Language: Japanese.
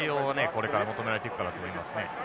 これから求められていくかなと思いますね。